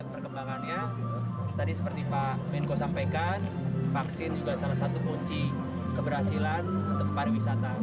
perkembangannya tadi seperti pak menko sampaikan vaksin juga salah satu kunci keberhasilan untuk pariwisata